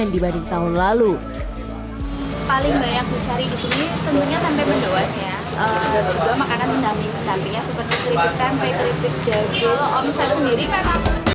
dibanding tahun lalu paling banyak dicari di sini semuanya sampai mendoan ya makanan